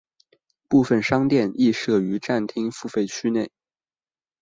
部分商店亦设于站厅付费区内。